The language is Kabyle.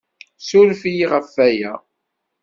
Ssuref-iyi ɣef waya.